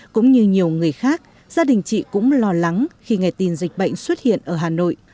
cũng như nhiều người khác gia đình chị cũng lo lắng khi ngày tin dịch bệnh xuất hiện ở hà nội